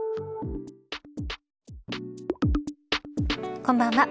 こんばんは。